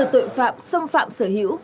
để sớm đưa tội phạm xâm phạm sở hữu